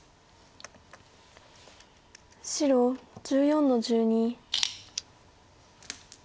白１４の十二。